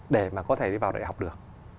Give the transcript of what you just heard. để mà có thể đi vào đại học được